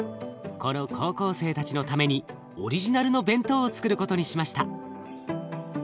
この高校生たちのためにオリジナルの弁当をつくることにしました。